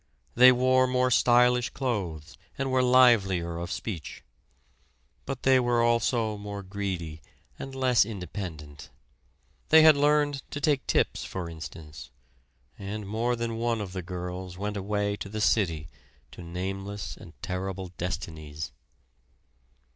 They wore more stylish clothes and were livelier of speech; but they were also more greedy and less independent. They had learned to take tips, for instance; and more than one of the girls went away to the city to nameless and terrible destinies.